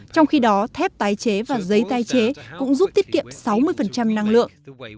trong khi đó thép tái chế và giấy tái chế cũng giúp tiết kiệm sáu mươi năng lượng